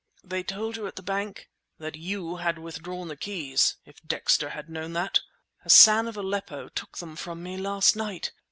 "They told you at the bank—" "That you had withdrawn the keys! If Dexter had known that!" "Hassan of Aleppo took them from me last night!